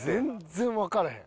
全然わからへん。